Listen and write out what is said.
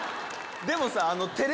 でもさ。